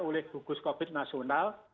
oleh gugus covid sembilan belas nasional